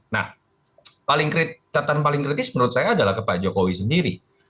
nah catatan paling kritis menurut saya adalah ke pak jokowi sendiri